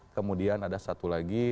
kemudian ada satu lagi